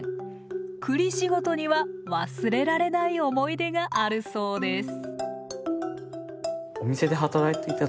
栗仕事には忘れられない思い出があるそうです。